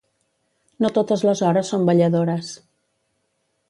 No totes les hores són balladores.